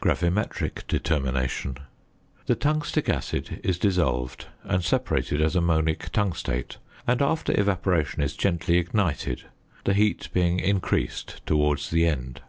GRAVIMETRIC DETERMINATION. The tungstic acid is dissolved, and separated as ammonic tungstate, and, after evaporation, is gently ignited, the heat being increased towards the end.